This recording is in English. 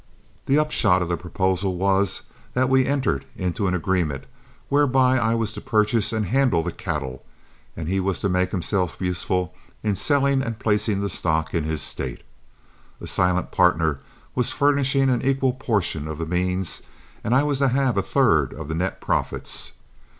The upshot of the proposal was that we entered into an agreement whereby I was to purchase and handle the cattle, and he was to make himself useful in selling and placing the stock in his State. A silent partner was furnishing an equal portion of the means, and I was to have a third of the net profits.